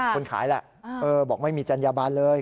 คนขายแหละบอกไม่มีจัญญาบันเลย